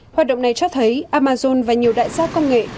hoạt động này cho thấy amazon và nhiều đại gia công nghệ